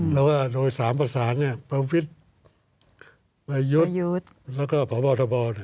แล้วก็โดย๓ภาษาประวัติภิษฐ์อายุทธ์แล้วก็พระบอตบอธิบาล